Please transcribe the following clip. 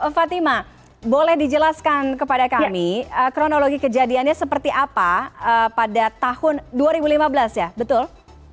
fatima boleh dijelaskan kepada kami kronologi kejadiannya seperti apa pada tahun dua ribu lima belas ya betul